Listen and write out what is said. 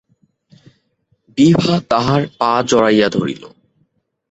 বিভা তাঁহার পা জড়াইয়া ধরিল।